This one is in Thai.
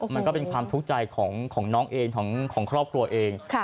มันก็เป็นความทุกข์ใจของน้องเองของครอบครัวเอง